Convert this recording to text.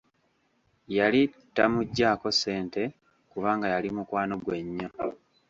Yali tamuggyaako ssente kubanga yali mukwano ggwe nnyo.